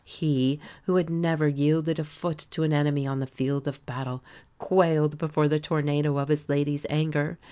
He, who had never yielded a foot to an enemy on the field of battle, quailed before the tornado of his lady's anger.